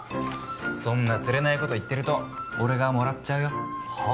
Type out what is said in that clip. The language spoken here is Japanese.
そんなつれないこと言ってると俺がもらっちゃうよはあ？